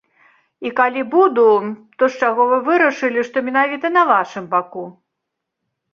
І калі буду, то з чаго вы вырашылі, што менавіта на вашым баку?